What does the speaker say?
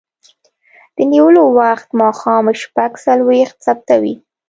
د نیولو وخت ماښام شپږ څلویښت ثبتوي.